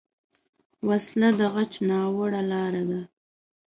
وسله د غچ ناوړه لاره ده